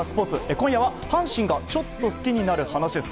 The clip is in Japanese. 今夜は、阪神がちょっと好きになる話です。